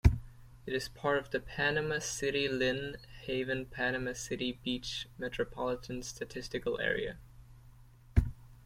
It is part of the Panama City-Lynn Haven-Panama City Beach Metropolitan Statistical Area.